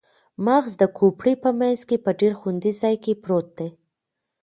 مغز د کوپړۍ په مینځ کې په ډیر خوندي ځای کې پروت دی